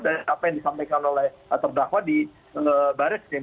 dari apa yang disampaikan oleh terdakwa di baris krim